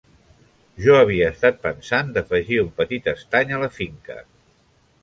Jo havia estat pensant d'afegir un petit estany a la finca.